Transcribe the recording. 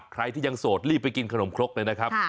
ใครที่ยังโสดรีบไปกินขนมครกเลยนะครับ